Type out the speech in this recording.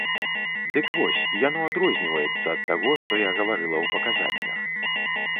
Дык вось, яно адрозніваецца ад таго, што я гаварыла ў паказаннях.